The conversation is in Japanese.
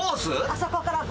あそこから。